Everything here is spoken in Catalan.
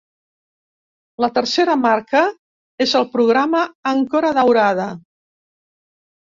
La tercera marca és el Programa Àncora Daurada.